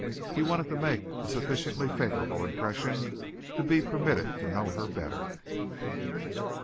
He wanted to make a sufficiently favorable impression to be permitted to know her better.